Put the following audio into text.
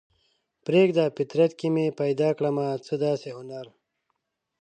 پریږده فطرت کې مې پیدا کړمه څه داسې هنر